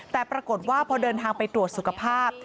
แต่ปรากฏว่าพอเดินทางไปตรวจสุขภาพ